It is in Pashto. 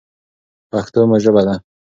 پښتو مو ژبه ده.